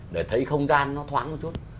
để thấy không gian nó thoáng một chút